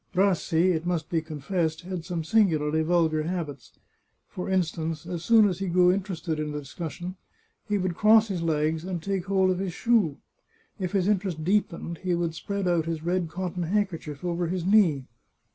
Rassi, it must be confessed, had some singularly vulgar habits. For instance, as soon as he grew interested in a discussion, he would cross his legs, and take hold of his shoe. If his interest deepened he would spread out his red cotton handkerchief over his knee.